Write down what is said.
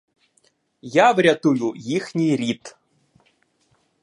Я врятую їхній рід!